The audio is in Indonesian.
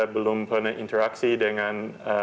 belum pernah interaksi dengan